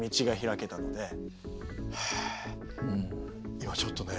今ちょっとね